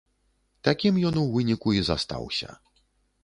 Такім ён у выніку і застаўся.